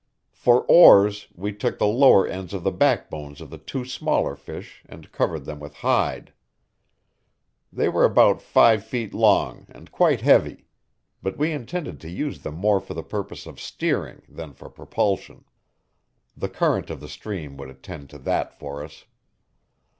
For oars we took the lower ends of the backbones of the two smaller fish and covered them with hide. They were about five feet long and quite heavy; but we intended to use them more for the purpose of steering than for propulsion. The current of the stream would attend to that for us.